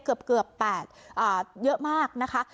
เกือบ๘เยอะมากนะคะ